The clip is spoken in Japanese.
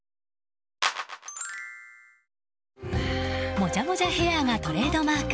もじゃもじゃヘアがトレードマーク。